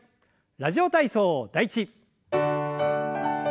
「ラジオ体操第１」。